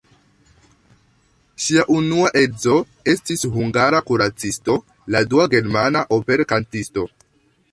Ŝia unua edzo estis hungara kuracisto, la dua germana operkantisto.